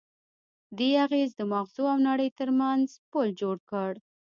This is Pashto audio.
دې اغېز د ماغزو او نړۍ ترمنځ پُل جوړ کړ.